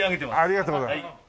ありがとうございます。